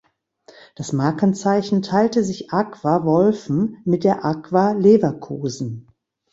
Das Markenzeichen teilte sich Agfa Wolfen mit der Agfa Leverkusen.